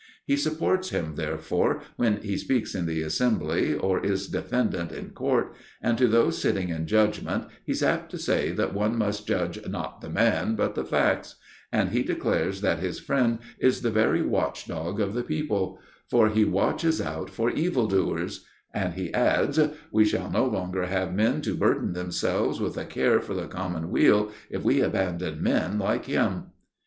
He supports him, therefore, when he speaks in the assembly or is defendant in court, and to those sitting in judgment he's apt to say that one must judge not the man, but the facts; and he declares that his friend is the very watch dog of the people, "for he watches out for evil doers"; and he adds: "We shall no longer have men to burden themselves with a care for the common weal, if we abandon men like him."